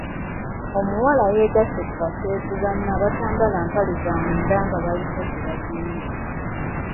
Omuwala yeggase ku baseegu banne abatambala mpale za munda nga baliko je bagenda.